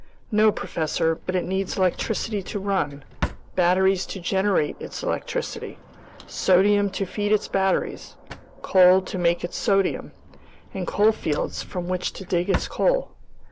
"No, professor, but it needs electricity to run, batteries to generate its electricity, sodium to feed its batteries, coal to make its sodium, and coalfields from which to dig its coal.